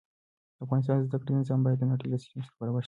د افغانستان د زده کړې نظام باید د نړۍ له سيستم سره برابر شي.